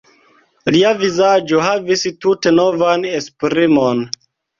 Lia vizaĝo havis tute novan esprimon.